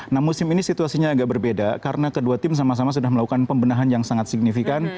nah musim ini situasinya agak berbeda karena kedua tim sama sama sudah melakukan pembenahan yang sangat signifikan